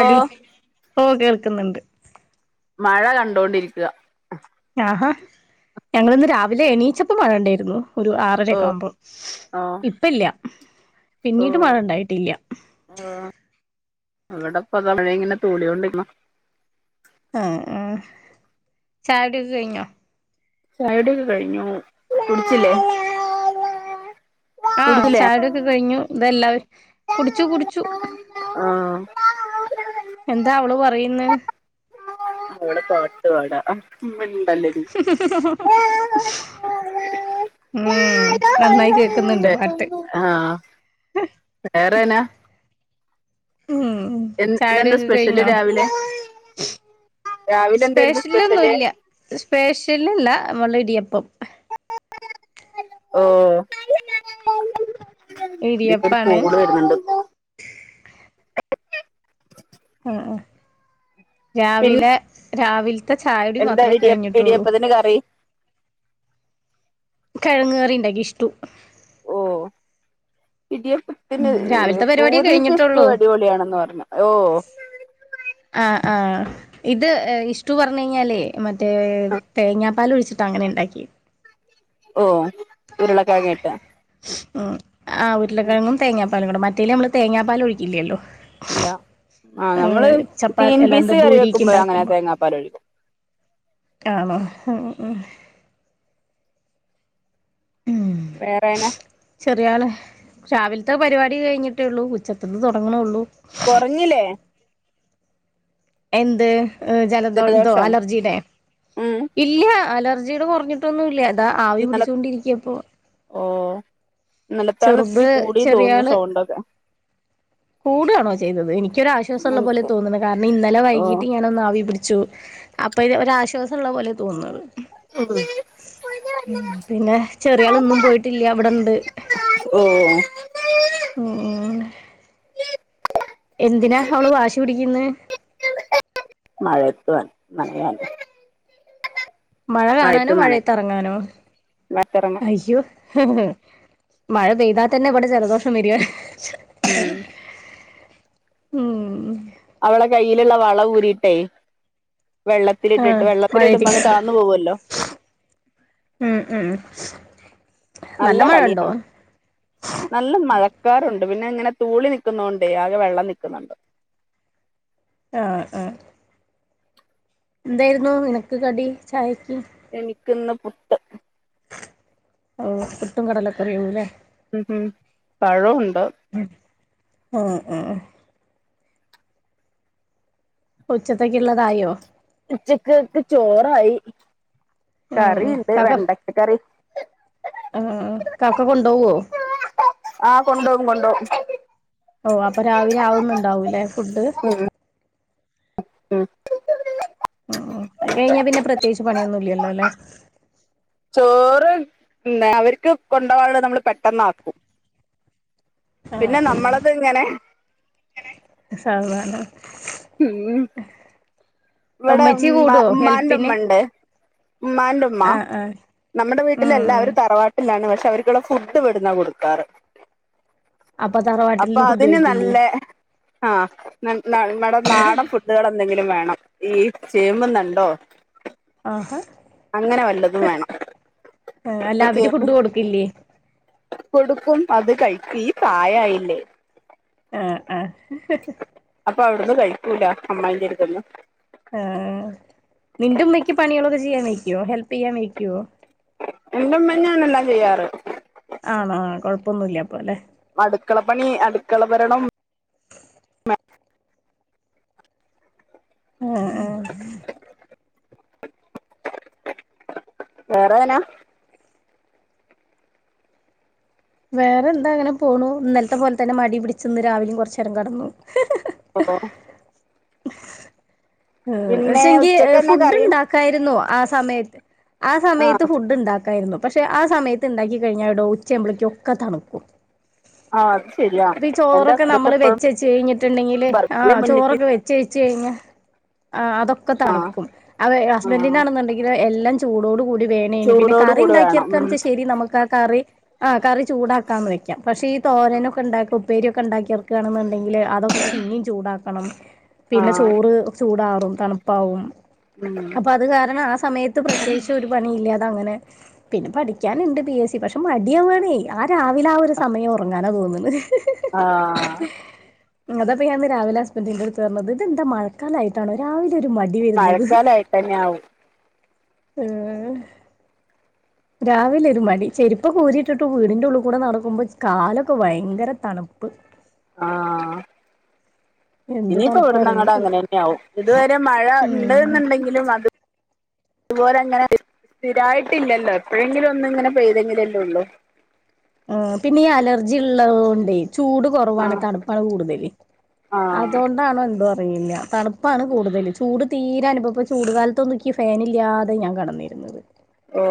ഓ ഓ കേൾക്കുന്നുണ്ട് മഴ കണ്ടോണ്ടിരിക്കുവ ആഹാ ഞങ്ങളിന്ന് രാവിലെ എണീച്ചപ്പ മഴ ഉണ്ടായിരുന്നു ഒരു ഓ ആറരക്കെ ആവുമ്പോ ഓ ഇപ്പല്ല്യ പിന്നീട് മഴണ്ടായിട്ടില്ല്യ ആഹ് ഇവിടെപ്പത ഇങ്ങനെ തോളിയോണ്ടിരിക്കണൂ ആഹ് ആഹ് ചായകുടിക്കെ കയ്ഞ്ഞോ ചായുടൊക്കെ കഴിഞ്ഞു കുടിച്ചില്ലേ ആഹ് കുടിച്ചില്ലേ ചായുടൊക്കെ കഴിഞ്ഞു ഇതെല്ലാവരും കുടിച്ചു കുടിച്ചു ആഹ് എന്താ അവള് പറയുന്നേ അവള് പാട്ട്പാടാ മിണ്ടല്ലെടി ഉം നന്നായി കേക്കുന്നുണ്ട് പാട്ട് ആഹ് വേറെന്നാ ഉം ഉം ഇന്നെന്താ ചായുടൊക്കെ സ്പെഷ്യല് കയ്ഞ്ഞോ രാവിലെ രാവിലെ എന്തായിരുന്നു സ്പെഷ്യല് സ്പെഷ്യലൊന്നുംല്ല്യ സ്പെഷ്യലല്ല അമ്മളെ ഇടിയപ്പം ഓ ഇതീക്കൊര് ഇടിയപ്പാണ് കോള് വരുന്നുണ്ട് ആഹ് ആഹ് പിന്നെ രാവിലെ രാവിൽത്തെ ചായുടി മാത്രേ കഴിഞ്ഞിട്ടുള്ളൂ ന്നാ കറി കിഴങ്ങ് കറിണ്ടാക്കി ഇഷ്ടു ഓഹ് ഇടിയപ്പ ഉം ത്തിന് രാവിലത്തെ പരിപാടി പൂരിക്ക് ഇഷ്ടു കഴിഞ്ഞിട്ടുള്ളൂ അടിപൊളിയാണെന്ന് പറഞ്ഞു ഓഹ് ആഹ് ആഹ് ഇത് ഇഷ്ടു പറഞ്ഞ് കഴിഞ്ഞാലേ മറ്റേ തേങ്ങാപ്പാൽ ഒഴിച്ചിട്ട് അങ്ങനെ ഉണ്ടാക്കി ഓ ഉരുളക്കിഴങ്ങ്ട്ട് ആഹ് ഉരുളക്കെിഴങ്ങും തേങ്ങാപ്പാലും കൂ മറ്റേല നമ്മള് തേങ്ങാപ്പാല് ഒഴിക്കില്ലല്ലോ ഇല്ല ആ നമ്മള് ഏഹ് ചപ്പാ ഗ്രീൻ പീസ് എല്ലാംന്താ കറി ഭൂരിക്ക് വെക്കുമ്പോ അങ്ങനെ ഇണ്ടാക്കുമ്പോ തേങ്ങാപ്പാൽ ഒഴിക്കും ആണോ ഉം വേറെനാ ചെറിയ ആള് രാവിലത്തെ പരിപാടി കഴിഞ്ഞിട്ടേ ഉള്ളൂ ഉച്ചക്കത്തി തുടങ്ങണള്ളൂ കുറഞ്ഞില്ലേ എന്ത് ജലദോ ഇതോ ജലദോഷം അലർജിയുടെെ ഉം ഇല്ല അലർജിയുടെ കുറഞ്ഞിട്ടൊന്നും ഇല്ല ഇതാ ആവി ഇന്നലെ പിടിച്ചുകൊണ്ടിരിക്കയപ്പോ. ഓ ഇനലത്താണ് ഇത്തിരി ചെറുത് കൂടിയ തോന്നുന്നു സൈണ്ടൊക്കെ കൂടണോ ചെയ്തത് എനിക്കൊരു ആശ്വാസം ഉള്ള പോലെ എനിക്ക് തോന്നുന്നു കാരണം ഇന്നലെ ഓ വൈകീട്ട് ഞാന് ഒന്ന് ആവി പിടിച്ചു അപ്പൊ ഇത് ഒരാശ്വാസം ഉള്ള പോലെ തോന്നണ് ഉം പിന്നെ ചെറിയാള് ഇന്നും പോയിട്ടില്ല അവിടെണ്ട്. ഓഹ് ഉം ഉം [inaudible] എന്തിനാ അവള് വാശി പിടിക്കുന്നത് മഴ [unintelligible] മഴ കാണാനോ നന മഴയത്ത്റങ്ങാനോ വത്തിറങ്ങും അയ്യോ മഴ പെയ്താൽ തന്നെ ഇവിടെ ജലദോഷം വരണ് ഉം ഉം അവള കയ്യിലുള്ള വള ഊരിട്ടേ വെള്ളത്തിലിട്ടിട്ട് ആഹ് വെള്ളത്തി ഇടുമ്പോ മഴയത്തേക്ക് അങ് താന്ന് പോകുവല്ലോ ഉം ഉം നല്ല മഴ ഉണ്ടോ കളിയാണ് നല്ല മഴക്കാറുണ്ട് പിന്നെ ഇങ്ങനെ തൂളി നിൽക്കുന്നണ്ടേ ആകെ വെള്ളം നിൽക്കുന്നുണ്ട്. ആഹ് ആഹ് എന്തായിരുന്നു നിനക്ക് കടി ചായക്ക്. എനിക്ക്ന്ന് പുട്ട് ഓഹ് പുട്ടും കടലക്കറിയു ല്ലേ ഉം ഉം പഴോ ഉണ്ട് ഉം ആഹ് ആഹ് ഉച്ചത്തോക്ക് ഉള്ളതായോ ഉച്ചക്ക്ക്ക് ചോറായി കറിണ്ട് വെണ്ടക്ക കറി. ആഹ് ആഹ് കാക്ക കൊണ്ട്പോവോ ആഹ് കൊണ്ടോവും കൊണ്ടോവും ഓഹ് അപ്പൊ രാവിലെ ആവുന്നുണ്ടാവൂല്ലേ ഫുഡ് ഉം ഉം ഉം അത് കഴിഞ്ഞ പിന്നെ പ്രത്യേകച്ച് പണിയൊന്നും ഇല്ലല്ലോ ല്ലേ ചോറ് പിന്നെ അവർക്ക് കൊണ്ടകാനുളത് നമ്മള് പെട്ടന്ന് ആക്കും. പിന്നെ നമ്മളത് ഇങ്ങനെ സാവധാനം ഉം ആഹ് ഇവിടെ ഉം ഉമ്മാന്റെമ്മ ഉണ്ട് ഉമ്മാന്റ ഉമ്മ ആഹ് ആഹ് നമ്മടെ ഉം വീട്ടിലല്ല ഉം അവര് തറവാട്ടിലാണ് പക്ഷെ അവർക്കുള്ള ഫുഡ് ഇവിടുന്നാ കൊടുക്കാറ് അപ്പൊ അപ്പൊ തറവാട്ടിൽന്ന് ഫുഡ് അതിന് കഴിക്കില്ലേ നല്ലെ ആഹ് നല് നമ്മടെ നാടൻ ഫുഡുകൾ എന്തെങ്കിലും വേണം ഈ ചേമ്പ്ന്നണ്ടോ ആഹാ വല്ലതും വേണം അല്ല അപ്പൊ അവര് ചേമ്പ് ഫുഡ് കൊടുക്കില്ലേ കൊടുക്കും അത് കഴിക്കു ഈ പ്രായായില്ലേ ആഹ് ആഹ് അപ്പൊ അവിടുന്ന് കഴിക്കൂല അമ്മായിൻ്റെ അടുത്ത്ന്ന് ആഹ് നിന്റെ ഉമ്മക്ക് പണികളൊക്കെ ചെയ്യാൻ മേയിക്കൊ ഹെൽപ് ചെയ്യാൻ മേയിക്കോ എന്റെ ഉമ്മെന്നെ ആണെല്ലാം ചെയ്യാറ് ആണോ കൊഴപ്പൊന്നുല്ല്യ അപ്പൊ ല്ലെ അടുക്കള പണി അടുക്കള ഭരണം ആഹ് ആഹ് വേറെങ്ങനാ വേറെ എന്താ അങ്ങനെ പോണു ഇന്നലത്തെ പോലെതന്നെ മടി പിടിച്ച് ഇന്ന് രാവിലിയും കുറച്ചേരം കെടന്നു അപ്പൊ പിന്നെ പഷെങ്കി ഉച്ചക്ക് എന്നാ ഫുഡ് കറി ഉണ്ടാ ക്കായിരുന്നു ആ സമയത്ത് ആ സമയത്ത് ആഹ് ഫുഡ് ഉണ്ടാക്കായിരുന്നു പക്ഷെ ആ സമയത്ത് ഉണ്ടാക്കി കഴിഞ്ഞാൽ എടോ ഉച്ചയമ്പളേക്ക് ഒക്കെ തണുക്കും ആഹ് അത് ശരിയാ ഇപ്പൊ ഊ എന്റെ ചോറൊക്കെ ഹസ്ബൻഡ് നമ്മള് എപ്പോഴും വെച്ചെച്ച് കഴിഞ്ഞിട്ട്ണ്ടെങ്കില് പറയും എന്റെ ആഹ് മുന്നിക്ക് ചോറൊക്കെ വെ ചേച്ച് കഴിഞ്ഞ ആഹ് അതൊക്കെ ആഹ് തണുക്കും അവ ആഹ് ഹസ്ബൻഡിനാണുണ്ടെങ്കി എല്ലാം ചൂടോട് കൂടി വേണേനി പിന്നെ ചൂടോട് കറി കൂടി വേണം ഉം ഇണ്ടാക്കിയെട്ക്കാൻച്ചാ ശരി നമുക്ക് ആ കറി ആഹ് കറി ചൂടാക്കാന്ന് വയ്ക്കാം പക്ഷെ ഈ തോരനൊക്കെ ഉണ്ടാക്കു ഉപ്പേരിയൊക്കെ ഉണ്ടാക്കിയെട്ക്കാണെന്നുണ്ടെങ്കിൽ അതൊക്കെ പിന്നീം ചൂടാക്കണം പിന്നെ ആഹ് ചോറ് ചൂടാറും തണുപ്പാവും. ഉം അപ്പൊ അത് കാരണം ആ സമയത്ത് ത്ത് പ്രത്യേകിച്ച് ഒരു പണിയില്ല. അങ്ങനെ പിന്നെ പഠിക്കാനുണ്ട്. പി എസ് സി പക്ഷെ മടിയാവാണേ ഞാൻ രാവിലെ ആ ഒരു സമയം ഉറങ്ങാനാ തോന്നുണ്. ആഹ് അതാപ്പൊ ഞൻ ന്ന് രാവിലെ ഹസ്ബൻഡിന്റെട്ത്ത് പറഞ്ഞത്. ഇതെന്താ മഴക്കാലായിട്ടണോ രാവിലെ ഒരു മടി വരുന്നത് മഴക്കാലായിട്ടെന്നെ ആവും. ഏ ഹ് രാവിലെ ഒരു മടി. ചെരുപ്പൊക്കെ ഉൂരിട്ടിട്ട് വീടിന്റെറെ ഉള്ളിൽ കൂടെ നടക്കുമ്പോ കാലൊക്കെ ഭയങ്കര തണുപ്പ്. ആഹ് എന്ത് ഇനിയിപ്പോ ഇവിടുന്ന തണുപ്പാറിയോ അങ്ങട് അങ്ങനെന്നെ ആവും. ഇതുവരെ മഴ ഇണ്ടന്നുണ്ടെങ്കിലും അത് [inaudible] അതുപോലെ അങ്ങനെ സ്ഥിരായിട്ടില്ലല്ലോ. എപ്പോഴെങ്കിലും ഒന്ന് ഇങ്ങനെ പെയ്തെങ്കിലല്ലെ ഉള്ളൂ. ആ പിന്നെ ഈ അലർജി ഉള്ളതോണ്ടെ ചൂട് കൊറവാണ് ആഹ് തണുപ്പാണ് കൂടുതല്. ആഹ് അതുകൊണ്ടാണോ എന്തൊ അറിയില്ല്യ തണുപ്പാണ് കൂടുതൽ. ചൂട് തീരെ അനുഭവ ഇപ്പ ചൂട് കാലത്തൊന്നും ൻക്കി ക്ക് ഫാനില്ലാതെ ഞാൻ കടന്നിരുന്നത്. ഓ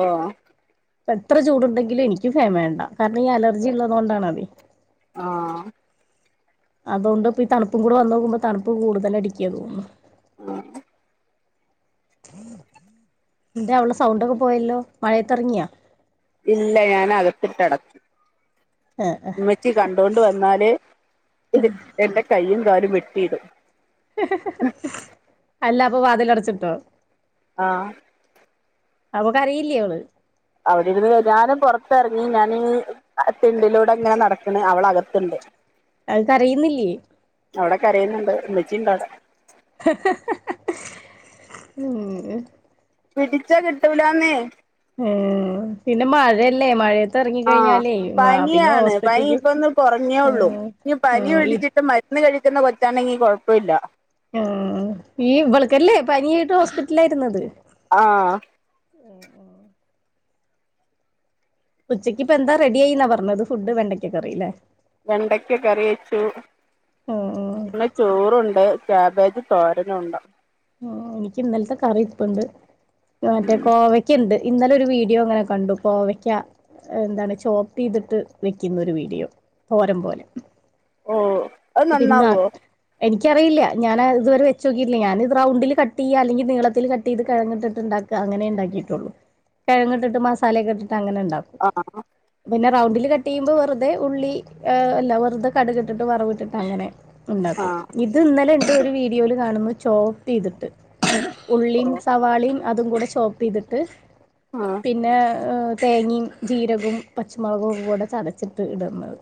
പ്പൊ എത്ര ചൂടുണ്ടെങ്കിലും ഇനിക്ക് ഫേൻ വേണ്ട. കാരണം ഈ അലർജി ഉള്ളതൊണ്ടാണത്. ആഹ് അതോണ്ട് ഇപ്പോ ഈ തണപ്പും കൂടെ വന്നോക്കുമ്പോ തണുപ്പ് കൂടുതലടിക്കാ തോന്നണ്. [inaudible] എന്താ അവള്ടെ സൗണ്ടൊക്കെ പോയല്ലോ. മഴേത്തിറങ്ങിയാ? ഇല്ല ഞാൻ അകത്തിട്ടടക്കും. ആഹ് ച്ചി കണ്ടൊണ്ട് വന്നാല് ഇത് എന്റെ കൈയും കാലും വെട്ടിയിടും. അല്ല അപ്പൊ വാതിൽ അടച്ചിട്ടോ? ആഹ് അപ്പൊ കരയില്ലേ ഓള്. അവിടെരുന്ന് ഞൻ പുറത്തിറങ്ങി ഞാന് ആ തിണ്ടിലൂടെ അങ്ങനെ നടക്കണ്. അവളകത്തണ്ട് അ ക്കരയുന്നില്ലേ? അവിടെ കരയുന്നുണ്ട്. ഇമ്മച്ചിണ്ട് അവിടെ ഉം പിടിച്ചാ കിട്ടൂലന്നേ. ഏഹ് പിന്നെ മഴയല്ലേ മഴയ ആഹ് പനിയാണ്. പനി ഇപ്പ ഒന്ന് കുറഞ്ഞേള്ളൂ. ഉം ഇ പനി ഉം ഈ വിടിച്ചിട്ട് ഇന്ന് കഴിക്കുന്ന കൊച്ചാണെങ്കി കുഴപ്പമില്ല. ആ ഈ വിളക്കല്ലേ പനായിട്ട് ഹോസ്പിറ്റലായിരുന്നത്. ആഹ് ഉച്ചക്ക്പ്പൊ എന്താ റെഡി ആയിന്നാ പറഞ്ഞത്. ഫുഡ്ണ്ടയ്ക്കറിയില്ലേ വെണ്ടയ്ക്ക കറി വെച്ചു. ഉം ഉം പിന്നെ ചോറണ്ട് ക്യാബേജ് തോരന ഉണ്ടോ. എനിക്ക് ഇന്നലത്തെ കറി ഇരിപ്പണ്ട്. മറ്റേ കോവ ക്യ ണ്ട്. ഇന്നലെ ഒരു വീഡിയോ അങ്ങനെ കണ്ടുപ്പോയ്ക്ക എന്താണ് ചോപ്പ് ചെയ്തിട്ട് വെക്കുന്ന ഒരു വീഡിയോ. തോരം പോലെ ഓ അത് പിന്നാ നന്നാവോ എനിക്കറിയില്ല. ഞാൻ ഇതുവരെ വെ നോയില്ല. ഞാന ഇത് റണ്ടിൽ കട്ട് ചെയ്യുക. അല്ലെങ്കിൽ നീളത്തിൽ ചെയ്ത് കിഴിട്ടുണ്ടാക്കും. അങ്ങെണ്ടാക്കിയിട്ടുള്ളൂ. കഴങ്ങ ഇട്ടിട്ട് മസാലയക്കെ ഇിട്ട് അങ്ങനെ ഉണ്ടാക്കും. ആഹ് പിന്നെ റൗണ്ടില് കട്ട് ചെയ്യുമ്പോ വെറുതെ ഉള്ളി അഹ് അല്ല വെറുതെ കടുക് ഇട്ടിട്ട് വറവ് ഇട്ടി ട്ട് അങ്ങനെ ഉണ്ടാക്കും ആഹ് ഇത് ഇന്നലെ ഉണ്ട് ഒരു വീഡിയോയില് കാണുന്നു ചോപ്പെയ്തിട്ട് ഉള്ളീം ഓ സവാളേം അതും കൂടെ ചോപ്പെയ്തിട്ട് ആഹ് പിന്നെ തേങ്ങേം ജീരകോം പച്ചമുളകും കൂടെ ചതച്ചിട്ട് ഇടുന്നത്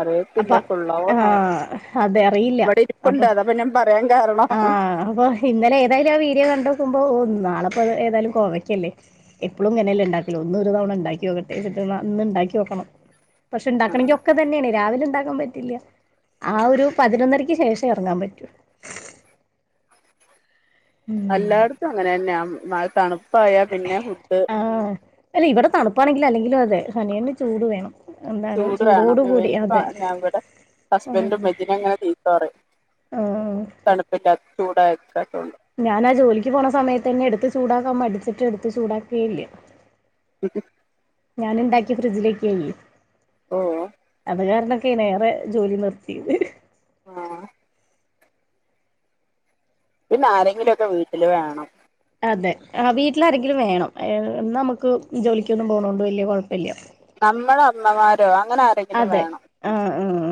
അറിയത്തില്ല അപ്പൊ കൊള്ളാവൂന്നാവൊ ആഹ് അതെ അറിയില്ല ഇവട ഇരിപ്പുണ്ട് അപ്പൊ അതാപ്പൊ ഞം പറയാൻ കാരണം ആഹ് അപ്പോ ഇന്നലെ ഏതായാലും ആഹ് വീഡിയോ കണ്ടോക്കുമ്പോ ഓഹ് നാളെപ്പോ ഏതായാലും കോവയ്ക്കല്ലേ എപ്പളും ഇങ്ങനെ അല്ലേ ഇണ്ടാക്കല് ഒന്ന് ഒരു തവണ ഇണ്ടാക്കി നോക്കട്ടെ എന്നിട്ട് നാ ഇന്ന് ഇണ്ടാക്കി നോക്കണം പക്ഷെ ഇണ്ടാക്കണെങ്കി ഒക്കെ ഇതന്നേണ് രാവില ഉണ്ടാക്കുമ്പഴ്‌ ത്തില്യ ആ ഒരു പതിനൊന്നരക്ക് ശേഷേ എറങ്ങാൻ പറ്റൂ അല്ലാടത്തും അങ്ങനെ തന്നെയ മഴ തണുപ്പായ പിന്നെ ഫുഡ് ആഹ് അല്ല ഇവ്ടെ തണുപ്പാണെങ്കിലും അല്ലെങ്കിലും അതെ സനിയന് ചൂട് വേണം എന്താണ് ചൂട് വേണം ചൂടോട് കൂടി അതെ [unintelligible] ഞാ ഇവിടെ ഹസ്ബൻഡും മെജിന ഇങ്ങന ചീത്ത പറയും മ്ഹ് തണുപ്പില്ലാ ചൂടായ്ക്കാത്തോണ്ട് ഞാൻ ആ ജോലിക്ക് പോണ സമയത്തന്നെ എടുത്ത് ചൂടാക്കാൻ മടിച്ചിട്ട് എടുത്ത് ചൂടാക്കേയില്ലേ [unintelligible] ഞാന് ഉണ്ടാക്കി ഫ്രിഡ്ജിലേക്കായി ഓഹ് അത് കാരണൊക്കെണെ ഏറെ ജോലി നിർത്തിയത് ആഹ് പിന്നെ ആരെങ്കിലൊക്കെ വീട്ടില് വേണം അതെ ആഹ് വീട്ടില് ആരെങ്കിലും വേണം നമുക്ക് ജോലിക്കൊന്നും പോണോണ്ട് വലിയ കൊഴപ്പല്യാ നമ്മള അമ്മമാരോ അങ്ങനെ അ അതെ ആഹ് ആഹ്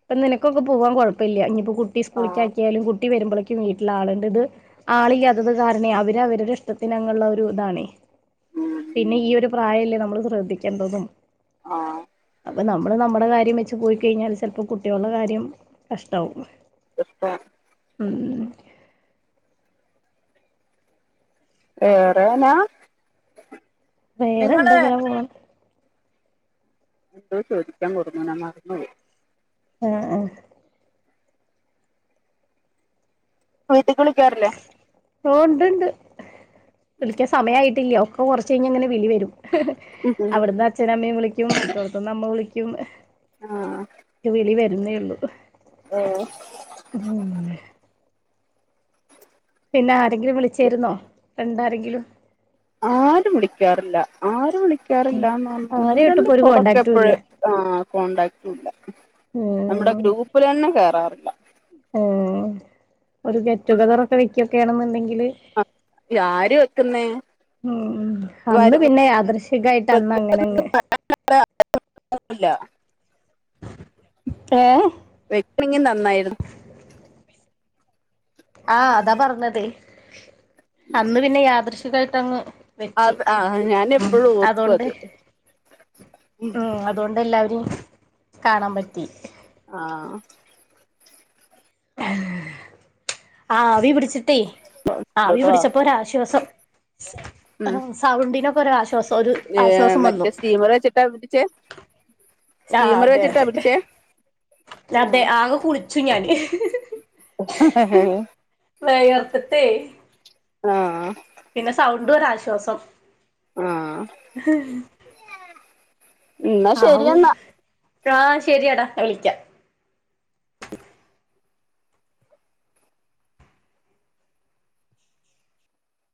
ഇപ്പൊ നിനക്കൊക്കെ പോവാൻ കൊഴപ്പല്ല ഇനിപ്പോ കു ട്ടി സ്കൂളിക്ക് ആഹ് ആക്കിയാലും കുട്ടി വരുമ്പൊളേക്കും വീട്ടില് ആളുണ്ട് ഇത് ആളില്ലാത്തത് കാരണെ അവര് അവരുടെ ഇഷ്ടത്തിന് അങ്ങ് ഒള്ള ഒരു ഇതാണെ ഉം പിന്നെ ഈ ഒരു പ്രായല്ലേ നമ്മള് ശ്രദ്ധിക്കേണ്ടതും ആഹ് അപ്പം നമ്മള് നമ്മടെ കാര്യം വെച്ച് പോയി കഴിഞ്ഞാൽ ചെലപ്പോൾ കുട്ടികളുടെ കാര്യം കഷ്ടാവും എപ്പ മ്ഹ് വേറേനാ വേറെന്താ ഇങ്ങനെ പോണ് എന്തോ ചോദിക്കാൻ കൊടുന്നനെ മറന്നുപോയി ആഹ് ആഹ് വീട്ടിക്ക് വിളിക്കാറില്ലേ ഓഹ് ഒണ്ട് ഒണ്ട് വിളിക്കാൻ സമയായിട്ടില്ലിയോ ഇപ്പൊ കൊറച്ച് കഴിഞ്ഞാ ഇങ്ങനെ വിളി വരും അവിടുന്ന് അച്ഛനും അമ്മയും വിളിക്കും മറ്റോടത്തിന്ന് അമ്മ വിളിക്കും ആഹ് [unintelligible] വിളി വരുന്നേ ഉള്ളു ആഹ് ഉം പിന്നെ ആരെങ്കിലും വിളിച്ചായിരുന്നോ ഫ്രണ്ടാരെങ്കിലും ആരും വിളിക്കാറില്ല ആരും വിളിക്കാറില്ലാന്ന് പറഞ്ഞാ ഒന്ന് ആരെയായിട്ടും രണ്ട് ഇപ്പൊ ഒരു പ്രോഡക്റ്റ് കോണ്ടാക്റ്റും ഇല്ല എപ്പഴ്‌ ആഹ് കോൺടാക്റ്റും ഇല്ല നമ്മുടെ ഉം ഗ്രൂപ്പിലന്നെ കേറാറില്ല ഉം ഒരു ഗെറ്റ് ടുഗതറൊക്കെ വെക്കൊക്കാണെന്നുണ്ടെങ്കില് ആഹ് ഇത് ആര് വെക്കുന്നേ ഉം ഉം അന്ന് വരൂല്ല പിന്നെ യദൃച്ചികായിട്ട് അന്ന് അങ്ങനെ അങ്ങ് [unintelligible] ന്നുല്ല ഏഹ് വെക്ക്ൺങ്കി നന്നായിര് ആഹ് അതാ പർഞ്ഞതേ അന്ന് പിന്നെ യാദൃശികായിട്ടങ്ങ് വെച്ചു അത് ആ ഞാൻ എപ്പോഴും ഓർക്കും അതോണ്ട് അത് ഉം അ ത് കൊണ്ട് എല്ലാവരിം കാണാം പറ്റി ആഹ് ആവി പിടിച്ച് ട്ടെ ആവി ഇങ്ങോട്ട് വാ പിടിച്ചപ്പൊ ഒരാശ്വാസം ഉം ആഹ് സൗണ്ടിനൊക്കെ ഒരാശ്വാസം ഒരു ആശ്വാസം വന്നു ചോറ് വെച്ച്ട്ടാ ഊറ്റിച്ചേ ആഹ് അതെ അതെ അതെ ആ ആകെ കുളിച്ചു ഞാന് വെയെർത്ത്ട്ടേ ആഹ് പിന്നെ സൗണ്ടും ഒരാശ്വാസം ആ എന്നാ ആവൂ ശരിയെന്നാ ആഹ് ശെരിയാടാ ഞാ വിളിയ്ക്കാ അ